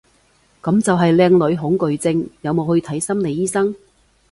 噉就係靚女恐懼症，有冇去睇心理醫生？